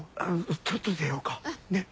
ちょっと出ようかねっ。